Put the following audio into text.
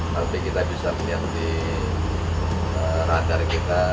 tapi kita bisa punya di radar kita